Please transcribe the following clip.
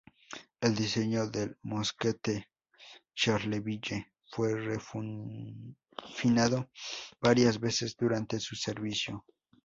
El diseño del mosquete Charleville fue refinado varias veces durante su servicio.